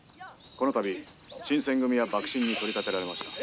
「この度新選組は幕臣に取り立てられました」。